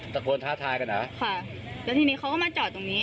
ท้าทายกันเหรอค่ะแล้วทีนี้เขาก็มาจอดตรงนี้